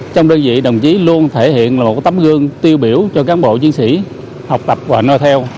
trong đơn vị đồng chí luôn thể hiện là một tấm gương tiêu biểu cho cán bộ